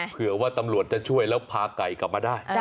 เผื่อว่าตำรวจจะช่วยแล้วพาไก่กลับมาได้